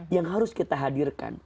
yang harus kita hadirkan